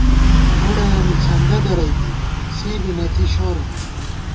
مُڑَیَہ نِڅھنگہ درَئی دی سےبی نہ تھی شورَنہ